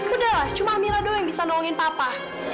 udah lah cuma amira doang yang bisa nolongin papa